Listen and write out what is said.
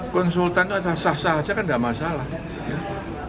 konsultan itu asal sah saja kan tidak masalah